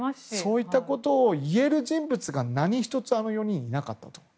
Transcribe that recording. そういったことを言える人物が何一つあの４人にいなかったと。